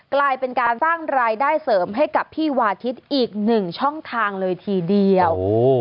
กลายเป็นการสร้างรายได้เสริมให้กับพี่วาทิศอีกหนึ่งช่องทางเลยทีเดียว